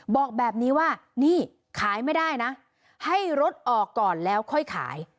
บอกแบบนี้ว่านี่ขายไม่ได้นะให้รถออกก่อนแล้วค่อยขาย